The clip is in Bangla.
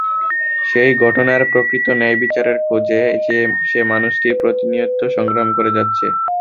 সেই ঘটনার প্রকৃত ন্যায়বিচারের খোঁজে সে মানুষটি প্রতিনিয়ত সংগ্রাম করে যাচ্ছে।